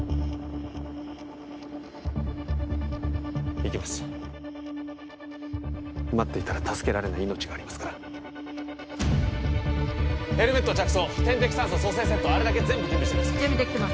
行きます待っていたら助けられない命がありますからヘルメット着装点滴酸素蘇生セットあるだけ全部準備してください準備できてます